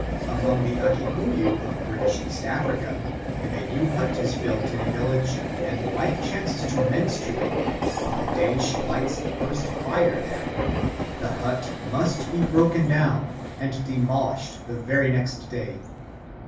Among the Akikuyu of British East Africa, if a new hut is built in a village and the wife chances to menstruate in it on the day she lights the first fire there, the hut must be broken down and demolished the very next day.